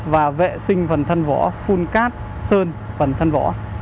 và vệ sinh phần thân vỏ phun cát sơn phần thân vỏ